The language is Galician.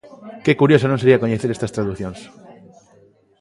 ¡Que curioso non sería coñecer estas traducións!